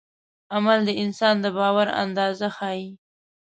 عمل د انسان د باور اندازه ښيي.